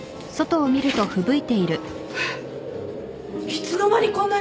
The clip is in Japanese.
いつの間にこんなに。